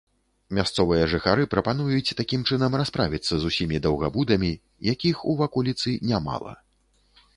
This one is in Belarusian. Мясцовыя жыхары прапануюць такім чынам расправіцца з усімі даўгабудамі, якіх у ваколіцы нямала.